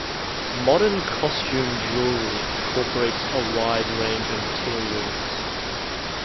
Modern costume jewelry incorporates a wide range of materials.